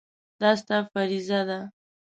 دا ستا فریضه ده.